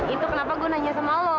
itu kenapa gue nanya sama lo